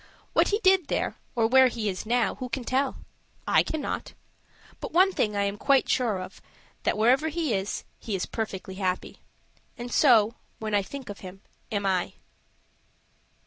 What he did there, or where he is now, who can tell? I cannot. But one thing I am quite sure of, that, wherever he is, he is perfectly happy. And so, when I think of him, am I.